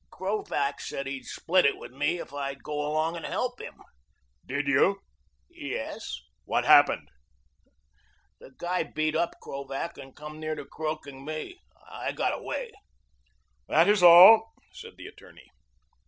"Krovac said he'd split it with me if I'd go along and help him." "Did you?" "Yes." "What happened?" "The guy beat up Krovac and come near croaking me, and got away." "That is all," said the attorney.